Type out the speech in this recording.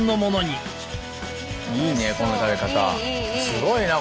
すごいな。